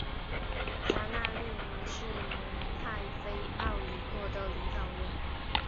扎纳利尼是蒙泰菲奥里诺的领导人。